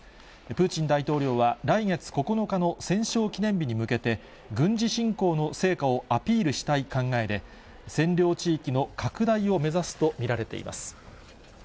プーチン大統領は来月９日の戦勝記念日に向けて、軍事侵攻の成果をアピールしたい考えで、占領地域の拡大を目指すと見られています。